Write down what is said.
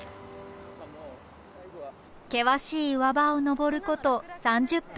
険しい岩場を登ること３０分。